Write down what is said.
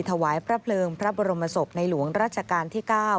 ถวายพระเพลิงพระบรมศพในหลวงราชการที่๙